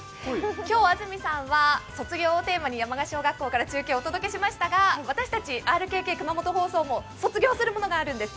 今日、安住さんは卒業をテーマに山鹿からお送りしましたが私たち、ＲＫＫ熊本放送も卒業するものがあるんです。